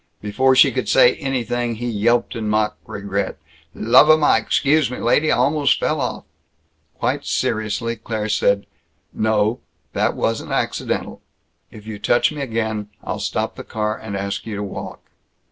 Before she could say anything he yelped in mock regret, "Love o' Mike! 'Scuse me, lady. I almost fell off." Quietly, seriously, Claire said, "No, that wasn't accidental. If you touch me again, I'll stop the car and ask you to walk."